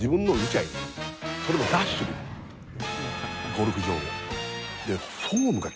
ゴルフ場を。